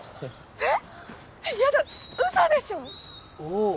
えっ！？